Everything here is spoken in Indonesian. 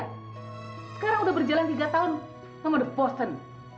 sekarang udah berjalan tiga tahun kamu udah bosan